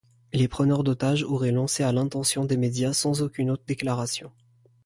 Les preneurs d'otages auraient lancé à l'intention des médias sans aucune autre déclaration.